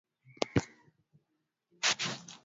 nikiripoti kutoka bujumbura hasan ruvakuki ere